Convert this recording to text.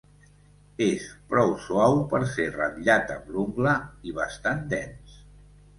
És prou suau per ser ratllat amb l'ungla i bastant dens.